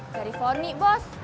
dari poni bos